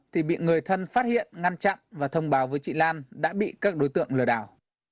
thì bị người thân phát hiện ngăn chặn và thông báo với chị lan đã bị các đối tượng lừa đảo